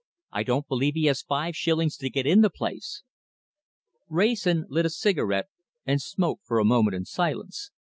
I don't believe he has five shillings to get in the place." Wrayson lit a cigarette and smoked for a moment in silence.